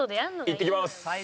いってきます！